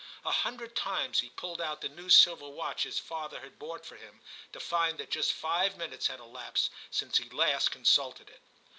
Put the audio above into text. A hundred times he pulled out the new silver watch his father had bought for him, to find that just five minutes had elapsed since he last consulted it.